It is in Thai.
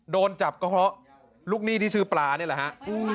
โดนจับก็เพราะลูกหนี้ที่ชื่อปลานี่แหละฮะ